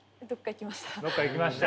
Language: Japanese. どっかいきました。